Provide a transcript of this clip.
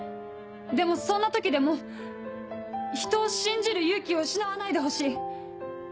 でもそんな時でもひとを信じる勇気を失わないでほしい。